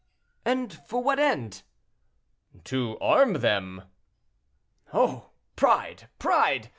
"And for what end?" "To arm them." "Oh! pride, pride!